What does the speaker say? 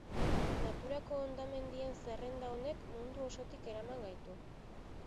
Naturako hondamendien zerrenda honek mundu osotik eraman gaitu.